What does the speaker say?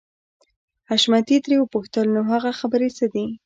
حشمتي ترې وپوښتل نو هغه خبرې څه دي.